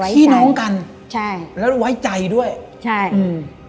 พี่น้องกันใช่แล้วไว้ใจด้วยใช่อืม